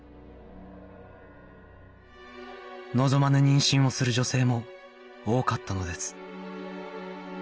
望まぬ妊娠をする女性も多かったのです